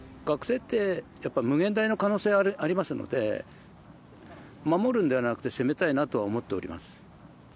学生ってやっぱり無限大の可能性がありますので、守るのではなくて、攻めたいなと思っております。